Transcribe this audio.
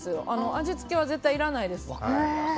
味付けは絶対いらないです。